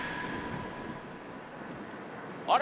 あれ？